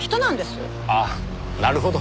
ああなるほど。